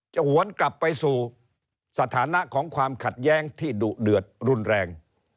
หวนกลับไปสู่สถานะของความขัดแย้งที่ดุเดือดรุนแรง